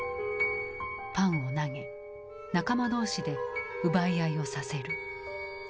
パンを投げ仲間同士で奪い合いをさせる。